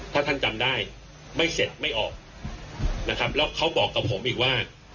ถ้าท่านจำได้ไม่เสร็จไม่ออกนะครับแล้วเขาบอกกับผมอีกว่า